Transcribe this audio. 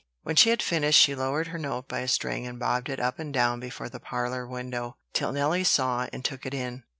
When she had finished, she lowered her note by a string, and bobbed it up and down before the parlor window till Nelly saw and took it in.